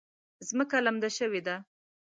ځمکه لمده شوې ده